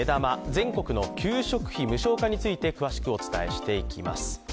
全国の給食費無償化について詳しくお伝えしていきます。